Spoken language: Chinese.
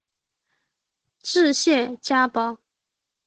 治谢家堡。